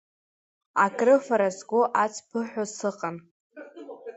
Акрыфара сгәы ацԥыҳәо сыҟан.